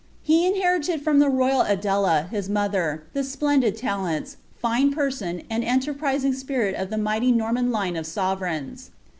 He inherited from the royal Adela, his mother, the splendid talents, fine person, and enterprising spirit of the mighty Norman line of sovereigns.